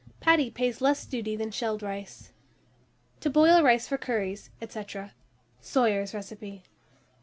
Paddy pays less duty than shelled rice. TO BOIL RICE FOR CURRIES, &c. (Soyer's Recipe.)